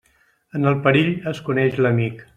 En el perill es coneix l'amic.